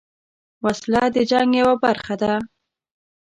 وسله د جنګ یوه برخه ده